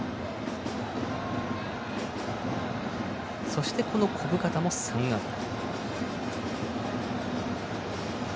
そして、小深田も３安打。